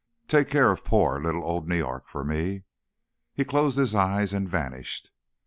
Take care of poor little old New York for me." He closed his eyes, and vanished.